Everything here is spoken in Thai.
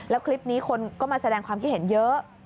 แล้วคลิปนี้คนก็มาแสดงความคิดเห็นเยอะ